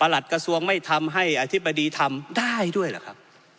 กระทรวงไม่ทำให้อธิบดีทำได้ด้วยเหรอครับ